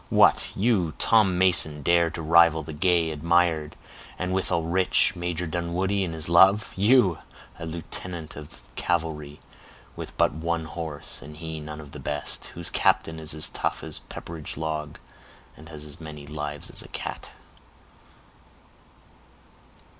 "What, you, Tom Mason, dare to rival the gay, admired, and withal rich, Major Dunwoodie in his love! You, a lieutenant of cavalry, with but one horse, and he none of the best! whose captain is as tough as a pepperidge log, and has as many lives as a cat!"